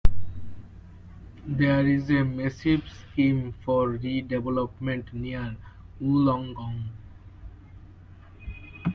There is a massive scheme for redevelopment near Wollongong.